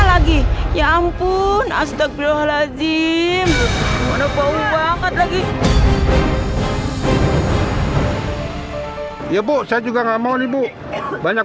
lagi ya ampun astagfirullahaladzim banget lagi ya bu saya juga nggak mau ibu banyak